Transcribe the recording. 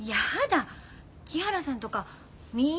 木原さんとかみんなでよ。